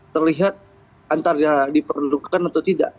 terlihat antara diperlukan atau tidak